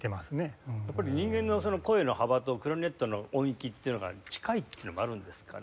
やっぱり人間の声の幅とクラリネットの音域っていうのが近いっていうのがあるんですかね。